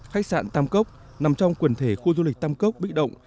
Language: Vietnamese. khách sạn tam cốc nằm trong quần thể khu du lịch tam cốc bị động